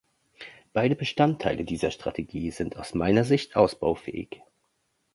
Beide Bestandteile dieser Strategie sind aus meiner Sicht ausbaufähig.